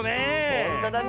ほんとだね。